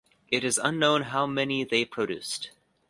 It is unknown how many they produced.